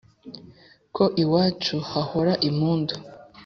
ko iwacu hahora impundu